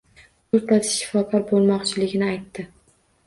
To‘rttasi shifokor bo‘lmoqchiligini aytdi.